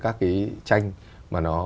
các cái tranh mà nó